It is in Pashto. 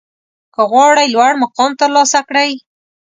که غواړئ لوړ مقام ترلاسه کړئ